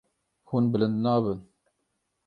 Hûn bilind nabin.